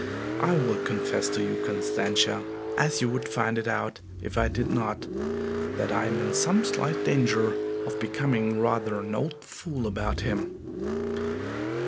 I will confess to you, Constantia, as you would find it out if I did not, that I am in some slight danger of becoming rather an old fool about him."